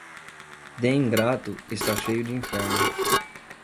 De ingrato, está cheio de inferno.